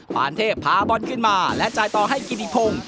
พานเทพพาบอลขึ้นมาและจ่ายต่อให้กิติพงศ์